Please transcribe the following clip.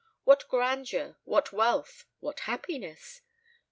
What grandeur, what wealth, what happiness!